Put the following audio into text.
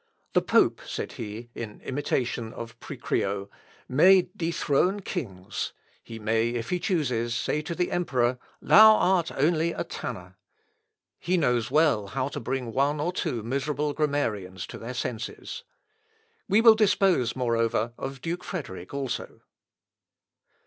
"The pope," said he, in imitation of Prierio, "may dethrone kings! He may, if he chooses, say to the emperor, Thou art only a tanner! He knows well how to bring one or two miserable grammarians to their senses. We will dispose, moreover, of Duke Frederick also."